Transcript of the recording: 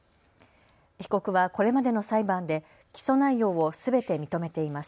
被告はこれまでの裁判で起訴内容をすべて認めています。